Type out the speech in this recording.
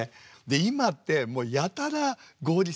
今ってもうやたら合理性。